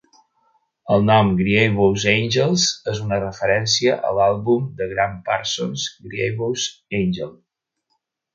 El nom "Grievous Angels" és una referència a l'àlbum de Gram Parsons "Grievous Angel".